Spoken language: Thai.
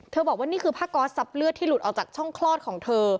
บอกว่านี่คือผ้าก๊อตซับเลือดที่หลุดออกจากช่องคลอดของเธอ